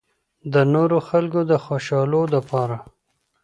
د نورو خلکو د خوشالو د پاره